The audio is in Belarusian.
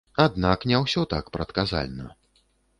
Аднак не ўсё так прадказальна.